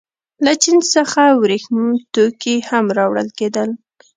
له چین څخه ورېښم توکي هم راوړل کېدل.